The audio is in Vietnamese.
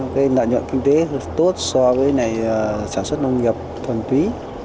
cái nợ nhuận kinh tế tốt so với cái này sản xuất lông nghiệp thuần túy